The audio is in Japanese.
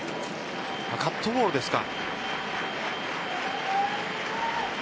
カットボールですか。